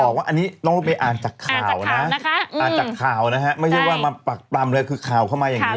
ต้องบอกว่าอันนี้ต้องไปอ่านจากข่าวนะคะไม่ใช่ว่ามาปรับตามเลยคือข่าวเข้ามาอย่างนี้นะ